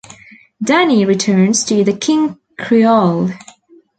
Danny returns to the King Creole.